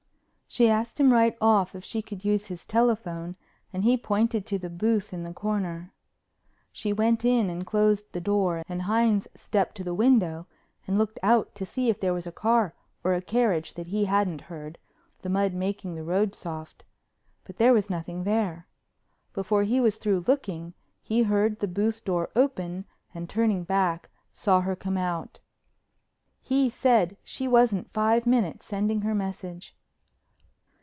She asked him right off if she could use his telephone and he pointed to the booth in the corner. She went in and closed the door and Hines stepped to the window and looked out to see if there was a car or a carriage that he hadn't heard, the mud making the road soft. But there was nothing there. Before he was through looking he heard the booth door open and turning back saw her come out. He said she wasn't five minutes sending her message.